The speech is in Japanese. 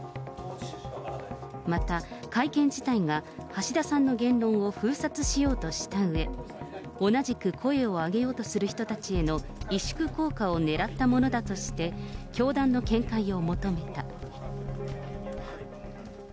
また会見自体が橋田さんの言論を封殺しようとしたうえ、同じく声を上げようとする人たちへの萎縮効果をねらったものだとして、教団の見解を求めた。